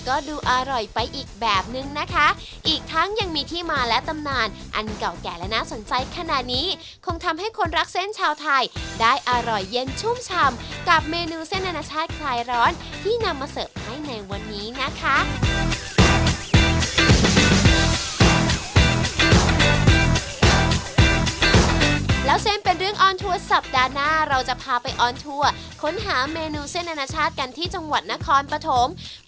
ก็ดูอร่อยไปอีกแบบนึงนะคะอีกทั้งยังมีที่มาและตำนานอันเก่าแก่และน่าสนใจขนาดนี้คงทำให้คนรักเส้นชาวไทยได้อร่อยเย็นชุ่มชำกับเมนูเส้นอนาชาติคลายร้อนที่นำมาเสิร์ฟให้ในวันนี้นะคะแล้วเช่นเป็นเรื่องออนทัวร์สัปดาห์หน้าเราจะพาไปออนทัวร์ค้นหาเมนูเส้นอนาชาติกันที่จังหวัดนครปฐม